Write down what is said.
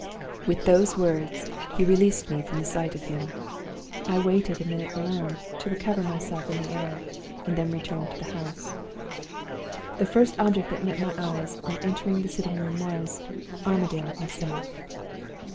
"With those words, he released me from the sight of him. I waited a minute alone, to recover myself in the air, and then returned to the house. "The first object that met my eyes, on entering the sitting room, was Armadale himself!